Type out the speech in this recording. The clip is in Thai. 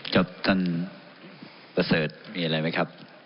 จบท่านประเสริฐมีอะไรมั้ยครับ